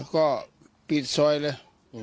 ก็ปิดซอยเลย